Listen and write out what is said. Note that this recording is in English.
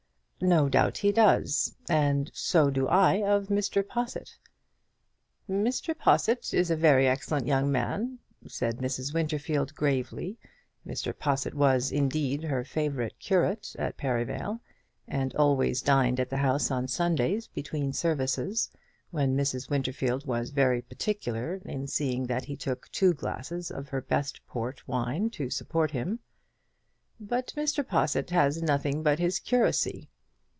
"No doubt he does. And so do I of Mr. Possitt." "Mr. Possitt is a very excellent young man," said Mrs. Winterfield, gravely. Mr. Possitt was, indeed, her favourite curate at Perivale, and always dined at the house on Sundays between services, when Mrs. Winterfield was very particular in seeing that he took two glasses of her best port wine to support him. "But Mr. Possitt has nothing but his curacy."